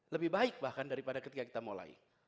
lebih baik bahkan daripada ketika kita mulai